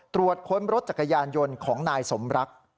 ตรวจค้นรถจักรยานยนต์ของนายสมรัก